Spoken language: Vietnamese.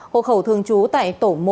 hộ khẩu thường trú tại tổ một